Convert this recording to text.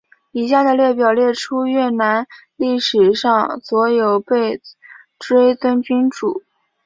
以下的列表列出越南历史上所有被追尊君主。